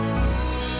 ini punyanya tohle